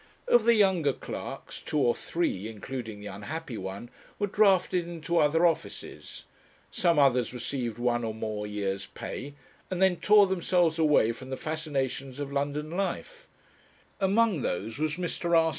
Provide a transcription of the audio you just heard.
Of the younger clerks, two or three, including the unhappy one, were drafted into other offices; some others received one or more years' pay, and then tore themselves away from the fascinations of London life; among those was Mr. R.